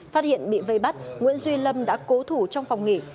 phát hiện bị vây bắt nguyễn duy lâm đã cố thủ trong phòng nghỉ